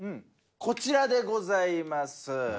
こちらでございます。